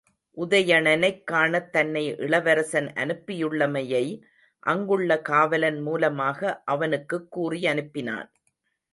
உதயணனைக் காணத் தன்னை இளவரசன் அனுப்பியுள்ளமையை அங்குள்ள காவலன் மூலமாக அவனுக்குக் கூறியனுப்பினான்.